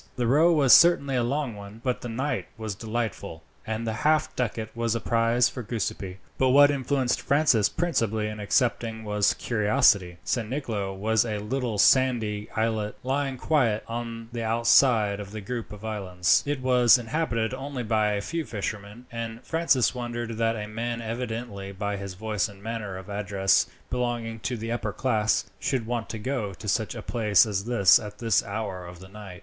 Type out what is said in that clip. The row was certainly a long one, but the night was delightful, and the half ducat was a prize for Giuseppi; but what influenced Francis principally in accepting was curiosity. San Nicolo was a little sandy islet lying quite on the outside of the group of islands. It was inhabited only by a few fishermen; and Francis wondered that a man, evidently by his voice and manner of address belonging to the upper class, should want to go to such a place as this at this hour of the night.